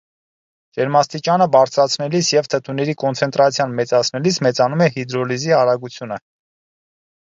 Ջերմաստիճանը բարձրացնելիս և թթուների կոնցենտրացիան մեծացնելիս մեծանում է հիդրոլիզի արագությունը։